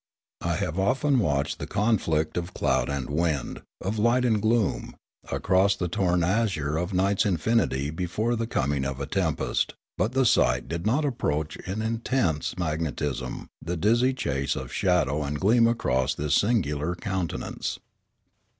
I have often watched the conflict of cloud and wind, of light and gloom, across the torn azure of night's infinity before the com ing of a tempest ; but the sight did not approach in intense magnetism the dizzy chase of shadow and gleam across this singular countenance.